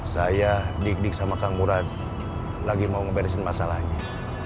saya dik dik sama kang murad lagi mau ngeberesin masalahnya